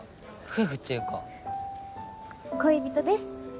夫婦っていうか恋人です！